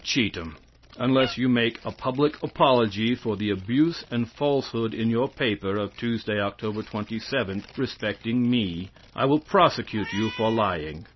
Cheethan: Unless you make a public apology for the abuse and falsehood in your paper of Tuesday, Oct. 27, respecting me, I will prosecute you for lying.